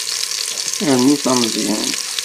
Rnu tameẓyant.